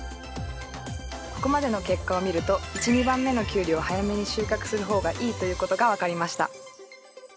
ここまでの結果を見ると１・２番目のキュウリを早めに収穫する方がいいということが分かりました。